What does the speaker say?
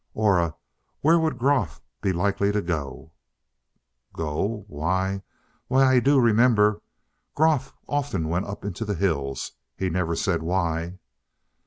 "Aura, where would Groff be likely to go?" "Go? Why why I do remember, Groff often went up into the hills. He never said why?"